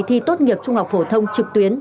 thi tốt nghiệp trung học phổ thông trực tuyến